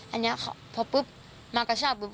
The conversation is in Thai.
อันนี้พอปุ๊บมากระชากปุ๊บ